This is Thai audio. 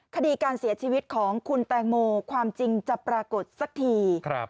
คดีการเสียชีวิตของคุณแตงโมความจริงจะปรากฏสักที